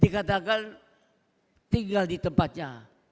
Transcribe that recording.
dikatakan tinggal di tempatnya